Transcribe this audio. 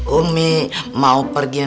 umi mau pergi